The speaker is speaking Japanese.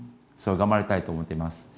頑張りたいと思っています。